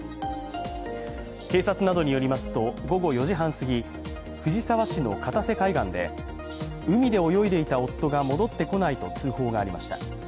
警察などによりますと、午後４時半すぎ、藤沢市の片瀬海岸で海で泳いでいた夫が戻ってこないと通報がありました。